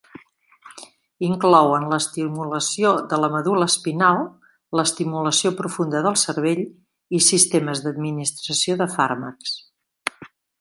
Inclouen l'estimulació de la medul·la espinal, l'estimulació profunda del cervell i sistemes d'administració de fàrmacs.